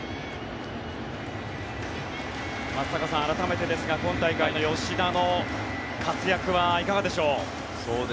松坂さん、改めてですが今大会の吉田の活躍はいかがでしょう？